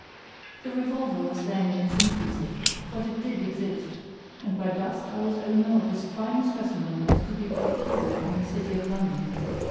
The revolver was then in its infancy; but it did exist; and by dusk I was owner of as fine a specimen as could be procured in the city of London.